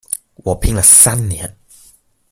我拼了三年